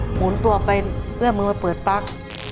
หมุนตัวไปเพื่อนมึงมาเปิดปลั๊ก